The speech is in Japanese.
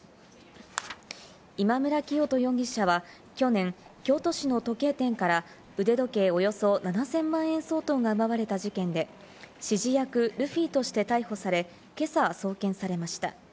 今村磨人容疑者は、去年、京都市の時計店から腕時計およそ７０００万円相当が奪われた事件で、指示役ルフィとして逮捕され、けさ送検されました。